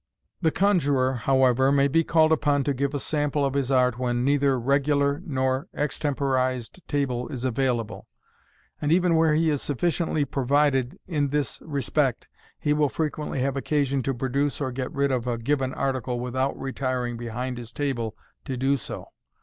The conjuror, however, may be called upon to give a sample of his art when neither regular nor extemporized table is available j and even where he is sufficiently provided in this respect, he will fre quently have occasion to produce or get rid of a given article without retiring behind his table to do so.